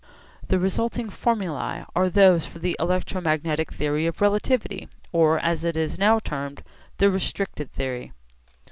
_). The resulting formulae are those for the electromagnetic theory of relativity, or, as it is now termed, the restricted theory.